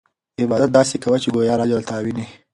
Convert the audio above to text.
عبادت داسې کوه چې ګویا اللهﷻ تا ویني.